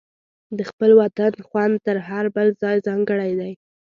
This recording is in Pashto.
د خپل وطن خوند تر هر بل ځای ځانګړی دی.